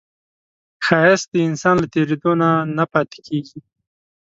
ښایست د انسان له تېرېدو نه نه پاتې کېږي